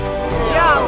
iya udah nolongin